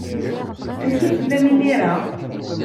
Amek tellamt imir-a?